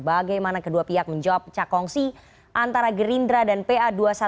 bagaimana kedua pihak menjawab pecah kongsi antara gerindra dan pa dua ratus dua belas